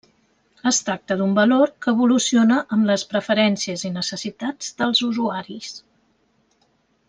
Es tracta d'un valor que evoluciona amb les preferències i necessitats dels usuaris.